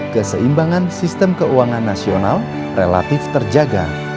keseimbangan sistem keuangan nasional relatif terjaga